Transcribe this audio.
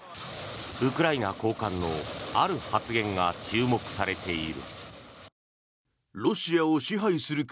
ウクライナ高官のある発言が注目されている。